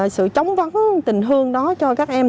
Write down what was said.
sự chống vấn tình thương đó cho các em